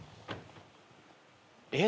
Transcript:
えっ？